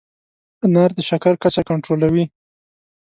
انار د شکر کچه کنټرولوي.